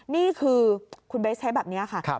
นี่คือคุณเบสใช้แบบนี้ค่ะ